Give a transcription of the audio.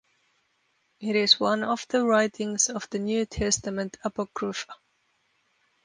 It is one of the writings of the New Testament apocrypha.